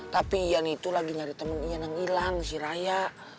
tapi ian itu lagi nyari temen ian yang hilang si raya